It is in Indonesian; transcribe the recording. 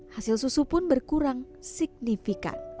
hasil susu pun berkurang signifikan